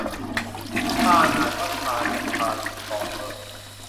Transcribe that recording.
ทราน อ่านว่าทราน แบบทรานสฟอร์มเมอร์